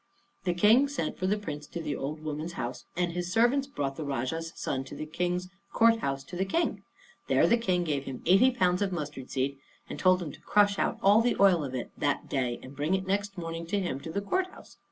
The King sent for the Prince to the old woman's house, and his servants brought the Rajah's son to the King's court house to the King. There the King gave him eighty pounds of mustard seed, and told him to crush all the oil out of it that day, and bring it next morning to him to the court house.